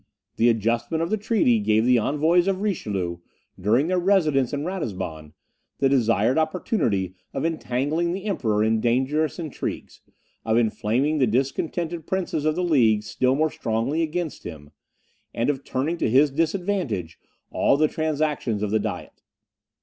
The adjustment of the treaty gave the envoys of Richelieu, during their residence in Ratisbon, the desired opportunity of entangling the Emperor in dangerous intrigues, of inflaming the discontented princes of the League still more strongly against him, and of turning to his disadvantage all the transactions of the Diet.